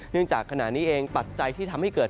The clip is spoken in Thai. จากขณะนี้เองปัจจัยที่ทำให้เกิด